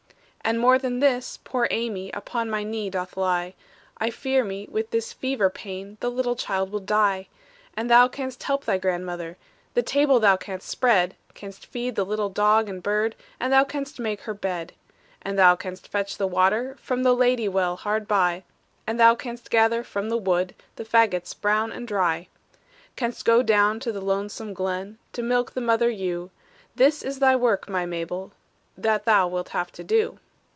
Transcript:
"And more than this, poor Amy Upon my knee doth lie; I fear me, with this fever pain The little child will die! "And thou canst help thy grandmother: The table thou canst spread; Canst feed the little dog and bird; And thou canst make her bed. "And thou canst fetch the water From the lady well hard by; And thou canst gather from the wood The fagots brown and dry; "Canst go down to the lonesome glen, To milk the mother ewe; This is the work, my Mabel, That thou wilt have to do.